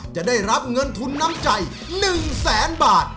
จะได้รับเงินทุนน้ำใจ๑แสนบาท